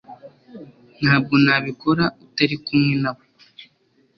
ntabwo nabikora utari kumwe nawe